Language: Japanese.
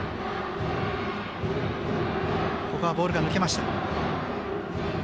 ここはボールが抜けました。